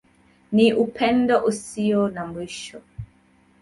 Ni Upendo Usio na Mwisho.